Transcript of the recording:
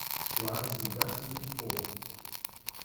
Schlagen Sie das nicht vor.